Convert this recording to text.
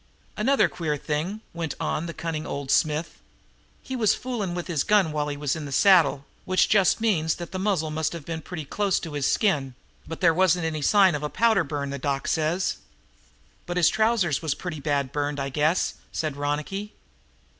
"Another queer thing," went on the cunning old smith. "He was fooling with that gun while he was in the saddle, which just means that the muzzle must of been pretty close to his skin. But there wasn't any sign of a powder burn, the doc says." "But his trousers was pretty bad burned, I guess," said Ronicky.